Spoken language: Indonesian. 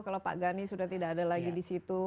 kalau pak gani sudah tidak ada lagi di situ